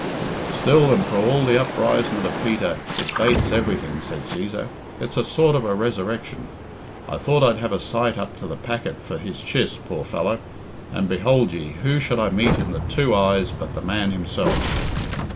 "Still, and for all the uprisement of Peter, it bates everything," said Cæsar. "It's a sort of a resurrection. I thought I'd have a sight up to the packet for his chiss, poor fellow, and, behould ye, who should I meet in the two eyes but the man himself!"